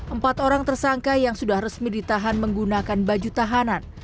empat orang tersangka yang sudah resmi ditahan menggunakan baju tahanan